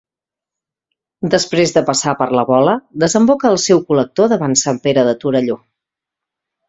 Després de passar per la Vola, desemboca al seu col·lector davant Sant Pere de Torelló.